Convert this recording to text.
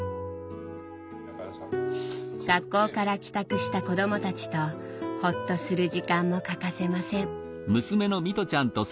学校から帰宅した子どもたちとほっとする時間も欠かせません。